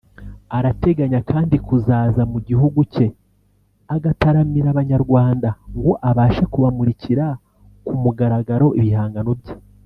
Arateganya kandi kuzaza mu gihugu cye agataramira Abanyarwanda ngo abashe kubamurikira ku mugaragaro ibihangano bye